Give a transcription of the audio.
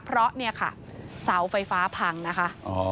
เพราะเนี่ยค่ะเสาไฟฟ้าพังนะคะ